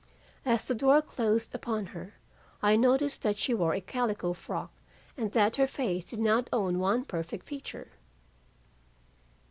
As the door closed upon her I noticed that she wore a calico frock and that her face did not own one perfect feature.